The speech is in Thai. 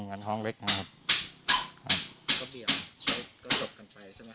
งั้นห้องเล็กนะครับครับก็เบี่ยงแล้วก็จบกันไปใช่ไหม